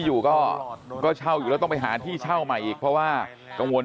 อยู่ก็เช่าอยู่แล้วต้องไปหาที่เช่าใหม่อีกเพราะว่ากังวล